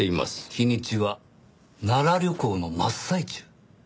日にちは奈良旅行の真っ最中。